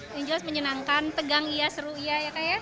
yang jelas menyenangkan tegang ya seru ya